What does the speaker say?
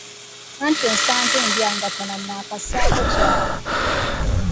Anti onsanze mbyangatana na kussaako caayi.